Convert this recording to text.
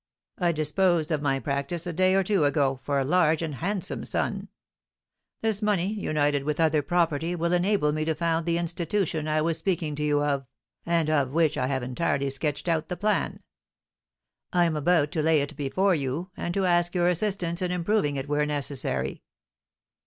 "I disposed of my practice a day or two ago, for a large and handsome sum. This money, united with other property, will enable me to found the institution I was speaking to you of, and of which I have entirely sketched out the plan. I am about to lay it before you, and to ask your assistance in improving it where necessary."